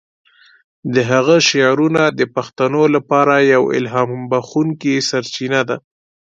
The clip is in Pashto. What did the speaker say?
د هغه شعرونه د پښتنو لپاره یوه الهام بخښونکی سرچینه ده.